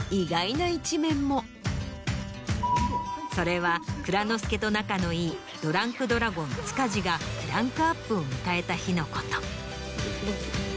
それは蔵之介と仲のいいドランクドラゴン・塚地がクランクアップを迎えた日のこと。